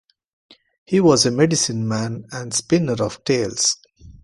He was a medicine man and spinner of tales.